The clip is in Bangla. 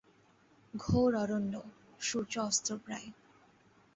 ঘোর অরণ্য, সূর্য অস্তপ্রায়।